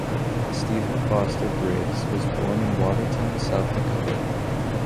Stephen Foster Briggs was born in Watertown, South Dakota.